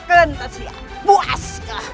kentas ya puas